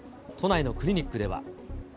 都内のクリニックでは。